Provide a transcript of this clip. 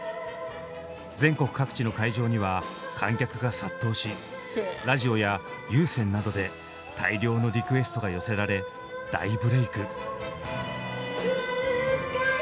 全国各地の会場には観客が殺到しラジオや有線などで大量のリクエストが寄せられ大ブレーク。